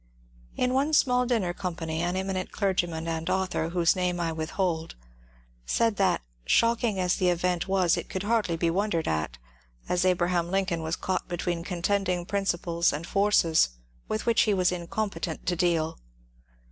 In one small dinner com pany, an eminent clergyman and author, whose name I with hold, said that, shocking as the event was, it could hardly be wondered at, as Abraham Lincoln was caught between con tending principles and forces with which he was incompetent to deal.